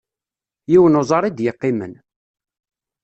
Yiwen uẓar i d-yeqqimen.